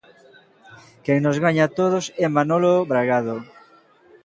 Quen nos gaña a todos é Manolo Bragado.